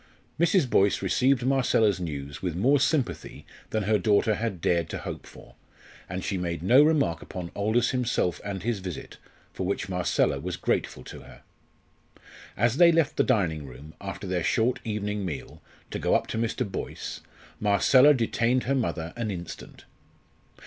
Mrs. Boyce received Marcella's news with more sympathy than her daughter had dared to hope for, and she made no remark upon Aldous himself and his visit, for which Marcella was grateful to her. As they left the dining room, after their short evening meal, to go up to Mr. Boyce, Marcella detained her mother an instant.